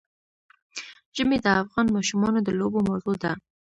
ژمی د افغان ماشومانو د لوبو موضوع ده.